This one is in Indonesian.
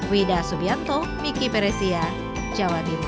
wida subianto miki peresia jawa timur